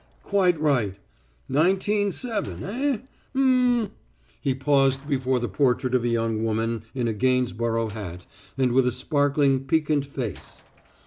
"Quite right. Nineteen seven, eh? Um " He paused before the portrait of a young woman in a Gainsborough hat and with a sparkling piquant face.